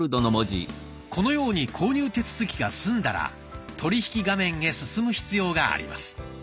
このように購入手続きが済んだら「取引画面へ」進む必要があります。